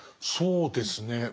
そうですね。